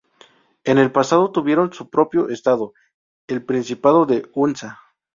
En el pasado tuvieron su propio estado, el Principado de Hunza.